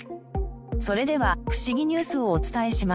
それではフシギニュースをお伝えします。